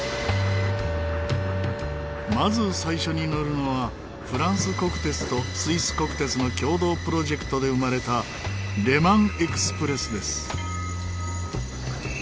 まず最初に乗るのはフランス国鉄とスイス国鉄の共同プロジェクトで生まれたレマンエクスプレスです。